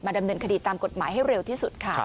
ดำเนินคดีตามกฎหมายให้เร็วที่สุดค่ะ